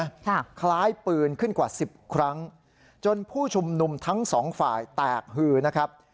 ค่ะคล้ายปืนขึ้นกว่าสิบครั้งจนผู้ชุมนุมทั้งสองฝ่ายแตกฮือนะครับ